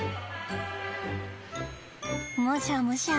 むしゃむしゃ。